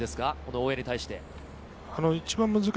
大江に対して。